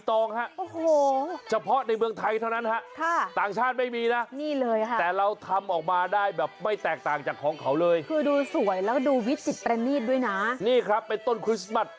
ทำไมถึงต้องหนีออกมาอย่างนี้